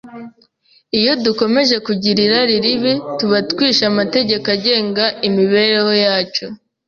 Iyo dukomeje kugira irari ribi, tuba twishe amategeko agenga imibereho yacu,